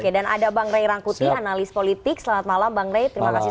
dan ada bang ray rangkuti analis politik selamat malam bang ray